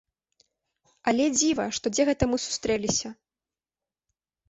Але дзіва, што дзе гэта мы сустрэліся?